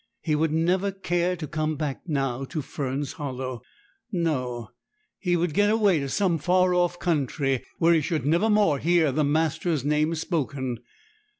He would never care to come back now to Fern's Hollow. No! he would get away to some far off country, where he should never more hear the master's name spoken.